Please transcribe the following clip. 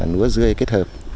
lúa dươi kết hợp